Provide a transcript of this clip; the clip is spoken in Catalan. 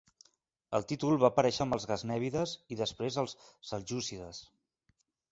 El títol va aparèixer amb els gaznèvides i després els seljúcides.